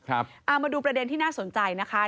เอามาดูประเด็นที่น่าสนใจนะคะ